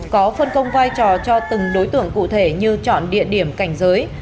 có phân công vai trò cho từng đối tượng cụ thể như chọn địa điểm cảnh giới